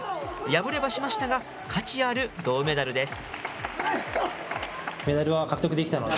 敗れはしましたが、価値ある銅メダルです。